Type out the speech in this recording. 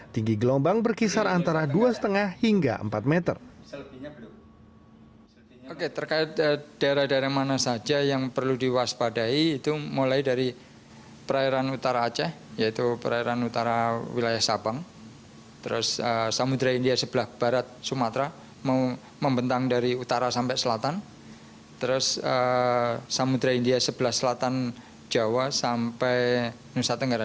tinggi gelombang berkisar antara dua lima hingga empat meter